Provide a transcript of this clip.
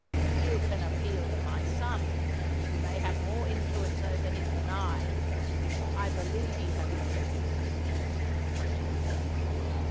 "You can appeal to my son. You may have more influence over him than I. I believe you have more influence," with a touch of bitterness.